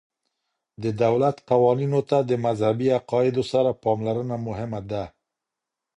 د دولت قوانینو ته د مذهبي عقایدو سره پاملرنه مهمه ده.